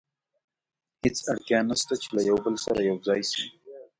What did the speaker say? هېڅ اړتیا نه شته چې له یو بل سره یو ځای شي.